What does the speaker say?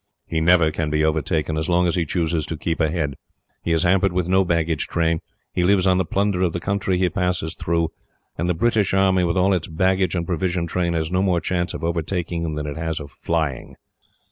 "He never can be overtaken, as long as he chooses to keep ahead. He is hampered with no baggage train. He lives on the plunder of the country he passes through; and the British army, with all its baggage and provision train, has no more chance of overtaking him than it has of flying."